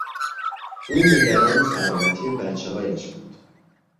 او نگران سلامتی بچههایش بود.